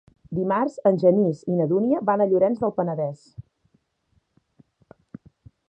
Dimarts en Genís i na Dúnia van a Llorenç del Penedès.